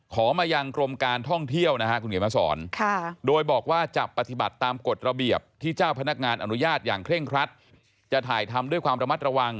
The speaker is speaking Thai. ขอมายังกรมการท่องเที่ยวนะครับ